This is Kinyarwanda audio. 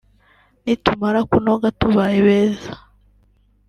nitumara kunoga tubaye beza